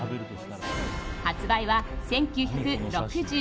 発売は１９６２年。